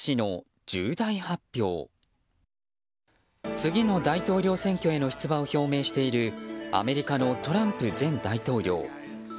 次の大統領選挙への出馬を表明しているアメリカのトランプ前大統領。